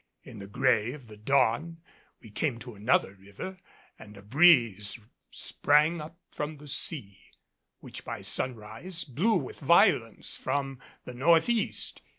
In the gray of the dawn we came to another river and a breeze sprang up from the sea, which, by sunrise, blew with violence from the north east.